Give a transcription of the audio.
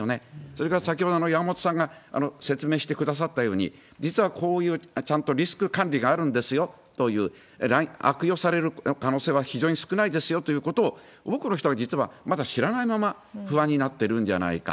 それから先ほど山本さんが説明してくださったように、実はこういうちゃんとリスク管理があるんですよという、悪用される可能性は非常に少ないですよということを、多くの人は実はまだ知らないまま不安になってるんじゃないか。